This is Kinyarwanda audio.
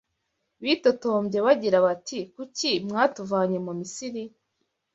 Bitotombye bagira bati kuki mwatuvanye mu Misiri